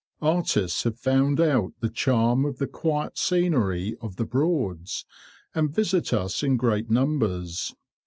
Artists have found out the charm of the quiet scenery of the Broads, and visit us in great numbers.